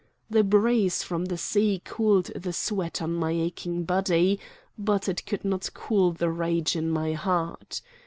The breeze from the sea cooled the sweat on my aching body; but it could not cool the rage in my heart.